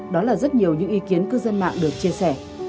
đó là rất nhiều những ý kiến cư dân mạng được chia sẻ